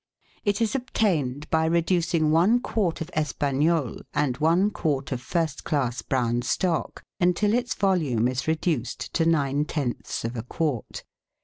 It is obtained by reducing one quart of Espagnole and one quart of first class brown stock until its volume is reduced to nine tenths of a quart.